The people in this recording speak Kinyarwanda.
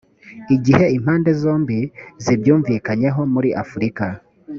igihe impande zombi zibyumvikanyeho muri afurika